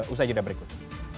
usai jadwal berikut